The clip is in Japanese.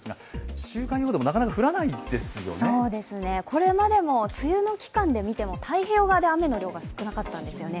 これまでも梅雨の期間でみても太平洋側で雨の量が少なかったんですよね。